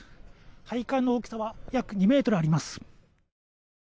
配管の大きさは約２ｍあります。